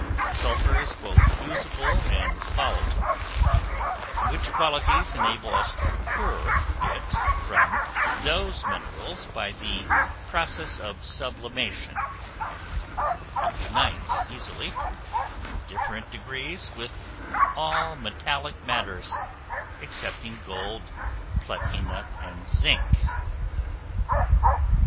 Sulphur is both fusible and volatile, which qualities enable us to procure it from those minerals by the process of sublimation: it unites easily, in different degrees, with all metallic matters, excepting gold, platina, and zinc.